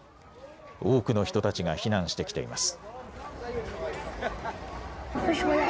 多くの人たちが避難してきています。